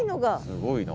すごいな。